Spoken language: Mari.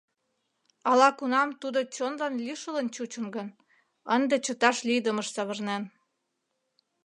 Ала-кунам тудо чонлан лишылын чучын гын, ынде чыташ лийдымыш савырнен...